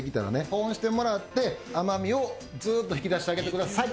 保温してもらって甘みをずっと引き出してあげてください。